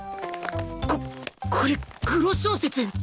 ここれグロ小説